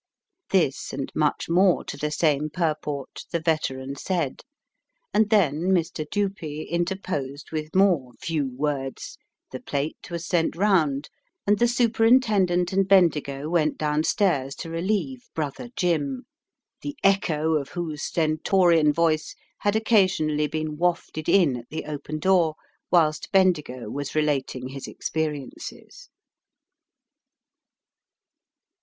This and much more to the same purport the veteran said, and then Mr. Dupee interposed with more "few words," the plate was sent round, and the superintendent and Bendigo went downstairs to relieve "brother Jim," the echo of whose stentorian voice had occasionally been wafted in at the open door whilst Bendigo was relating his experiences.